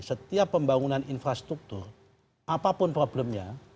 setiap pembangunan infrastruktur apapun problemnya